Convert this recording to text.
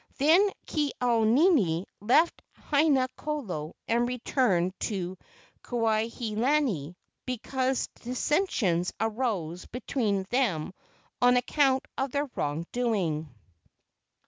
Then Ke au nini left Haina kolo and returned to Kuai he lani because dissensions arose be¬ tween them on account of their wrong doing.